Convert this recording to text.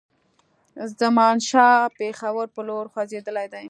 زمانشاه پېښور پر لور خوځېدلی دی.